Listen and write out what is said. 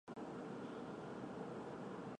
东北福祉大学网站